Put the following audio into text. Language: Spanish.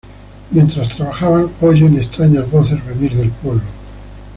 Mientras trabajan, oyen extrañas voces venir del pueblo.